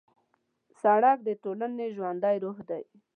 سړک د ټولنې ژوندی روح دی.